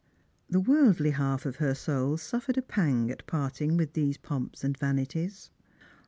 The worldly half of her soul suffered a pang at parting with these pomps and vanities.